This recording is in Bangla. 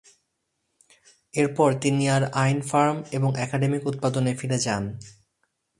এরপর তিনি তার আইন ফার্ম এবং একাডেমিক উৎপাদনে ফিরে যান।